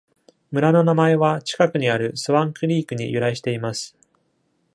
村の名前は、近くにあるスワン・クリークに由来しています。